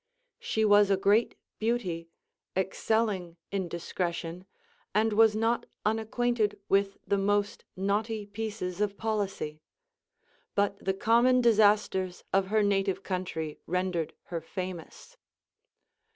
She was a great beauty, excel ling in discretion, and was not unacquainted with the most knotty pieces of policy ; but the common disasters of her native country rendered her famous.